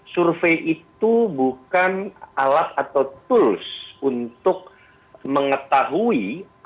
survei itu bukan alat atau tools untuk mengetahui apa yang akan terjadi pada saat itu